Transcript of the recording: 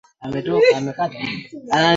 Ni jambo la msingi kuendeleza wanafunzi na walimu